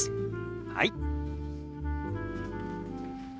はい。